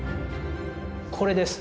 これです。